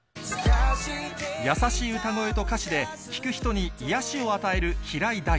優しい歌声と歌詞で、聴く人に癒やしを与える平井大。